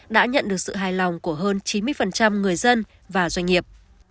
đã nhận được sự hài lòng của hơn chín mươi người dân và doanh nghiệp